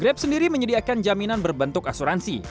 grab sendiri menyediakan jaminan berbentuk asuransi